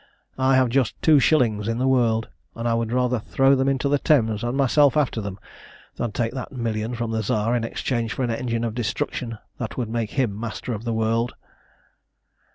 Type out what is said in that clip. I have just two shillings in the world, and I would rather throw them into the Thames and myself after them than take that million from the Tsar in exchange for an engine of destruction that would make him master of the world."